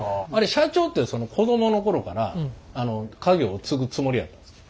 社長って子供の頃から家業を継ぐつもりやったんですか？